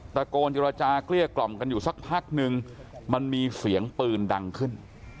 ตะโกนเจรจาเกลี้ยกล่อมกันอยู่สักพักนึงมันมีเสียงปืนดังขึ้น